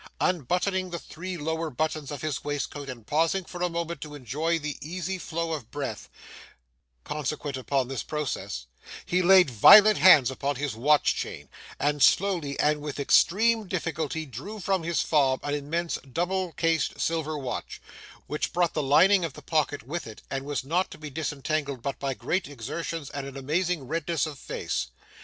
Unbuttoning the three lower buttons of his waistcoat and pausing for a moment to enjoy the easy flow of breath consequent upon this process, he laid violent hands upon his watch chain, and slowly and with extreme difficulty drew from his fob an immense double cased silver watch, which brought the lining of the pocket with it, and was not to be disentangled but by great exertions and an amazing redness of face.